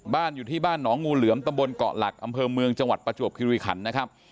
อยู่ที่บ้านหนองงูเหลือมตำบลเกาะหลักอำเภอเมืองจังหวัดประจวบคิริขันนะครับ